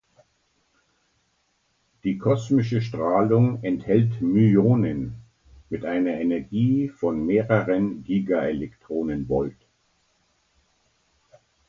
Die kosmische Strahlung enthält Myonen mit einer Energie von mehreren GeV.